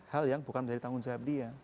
hal yang bukan dari tanggung jawab dia